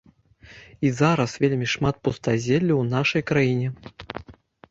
І зараз вельмі шмат пустазелля ў нашай краіне.